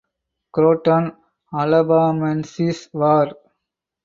Croton alabamensis var.